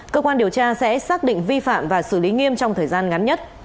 cơ quan điều tra sẽ xác định vi phạm và xử lý nghiêm trong thời gian ngắn nhất